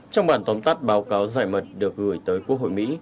trong bản tóm tắt báo cáo giải mật được gửi tới quốc hội mỹ